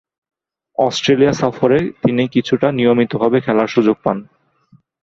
Australia সফরে তিনি কিছুটা নিয়মিতভাবে খেলার সুযোগ পান।